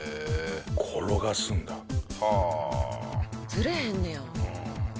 ずれへんねや。